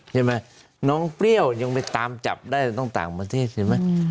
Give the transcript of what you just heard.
ใช่ไหมน้องเปรี้ยวยังไปตามจับได้ต้องต่างประเทศใช่ไหม